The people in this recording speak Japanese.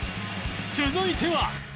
続いては